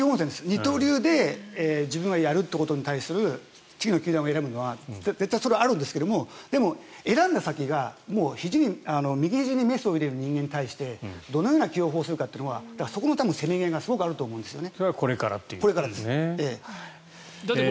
二刀流で自分はやることに対する次の球団を選ぶのは絶対それはあるんですがでも、選んだ先が右ひじにメスを入れる人間に対してどのような起用法をするかっていうのはそこのせめぎ合いがすごくあると思いますね。